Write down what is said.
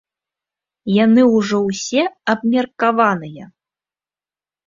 Яны ўжо ўсе абмеркаваныя.